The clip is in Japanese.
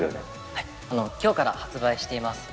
はい今日から発売しています。